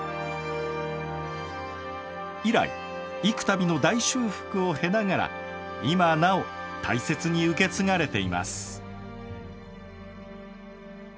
以来幾たびの大修復を経ながら今なお大切に受け継がれています。